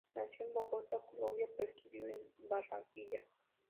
Nació en Bogotá, Colombia, pero estudió en Barranquilla.